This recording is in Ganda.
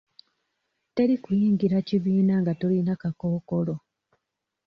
Teri kuyingira kibiina nga tolina kakookolo.